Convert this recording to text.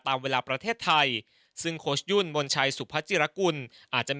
แต่ว่ามันลูกเล่นผิดพลาดเองครับผม